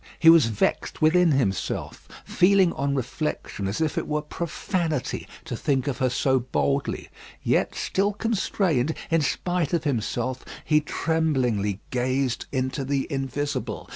He was vexed within himself, feeling on reflection as if it were profanity to think of her so boldly; yet still constrained, in spite of himself, he tremblingly gazed into the invisible.